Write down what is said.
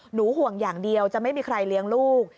ห่วงอย่างเดียวจะไม่มีใครเลี้ยงลูก